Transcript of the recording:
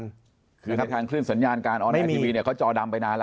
สัญหนาการออกอากาศไอทีวีเค้าจอดำไปนานแล้ว